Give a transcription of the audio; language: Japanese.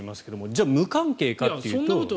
じゃあ、無関係かっていうと。